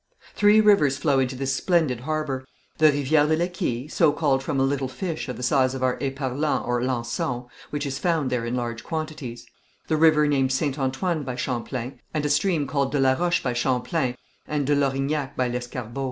Three rivers flow into this splendid harbour: the Rivière de l'Equille, so called from a little fish of the size of our éperlan or lançon, which is found there in large quantities; the river named St. Antoine by Champlain, and a stream called de la Roche by Champlain, and de l'Orignac by Lescarbot.